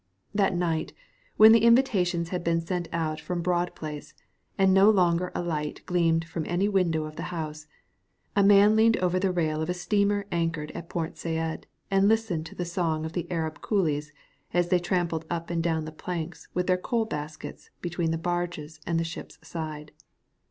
That night, when the invitations had been sent out from Broad Place, and no longer a light gleamed from any window of the house, a man leaned over the rail of a steamer anchored at Port Said and listened to the song of the Arab coolies as they tramped up and down the planks with their coal baskets between the barges and the ship's side.